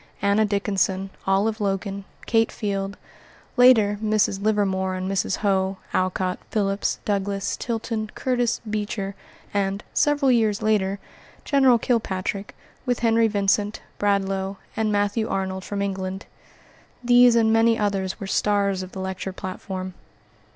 Anna Dickinson, Olive Logan, Kate Field, later, Mrs. Livermore and Mrs. Howe, Alcott, Phillips, Douglass, Tilton, Curtis, Beecher, and, several years later, General Kilpatrick, with Henry Vincent, Bradlaugh, and Matthew Arnold from England; these and many others were stars of the lecture platform.